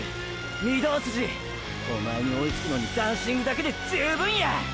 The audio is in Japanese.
御堂筋おまえに追いつくのにダンシングだけで十分や！！